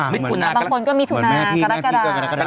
บางคนก็มิถุนากรกฎา